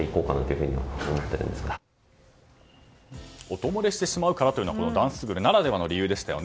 音漏れしてしまうからというのはダンススクールならではの理由でしたよね。